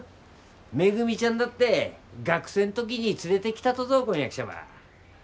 めぐみちゃんだって学生ん時に連れてきたとぞ婚約者ば。